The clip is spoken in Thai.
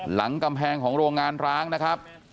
หลังกำแพงของโรงงานร้างนะครับ